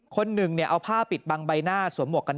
คนหนึ่งเอาผ้าปิดบังใบหน้าสวมหวกกันน